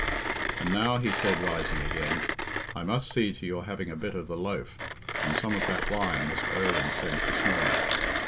"And now," he said, rising again, "I must see to your having a bit of the loaf, and some of that wine Mr. Irwine sent this morning.